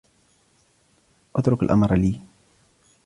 اترك الأمر لي.